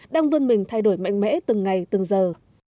đang vươn mình thay đổi mạnh mẽ từng ngày từng giờ